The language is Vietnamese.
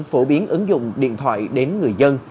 phổ biến ứng dụng điện thoại đến người dân